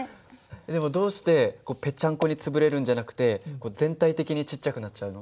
でもどうしてペチャンコに潰れるんじゃなくて全体的にちっちゃくなっちゃうの？